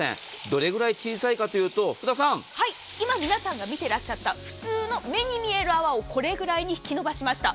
どれくらい小さいかというと今、皆さんが見ていらっしゃった普通の目に見える泡をこれくらいに引き延ばしました。